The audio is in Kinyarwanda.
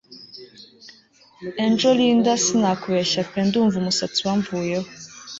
Angel Linda sinakubeshya pe ndumva umusatsi wamvuyeho